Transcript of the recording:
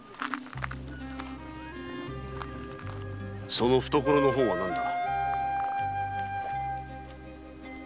その懐の本は何だ？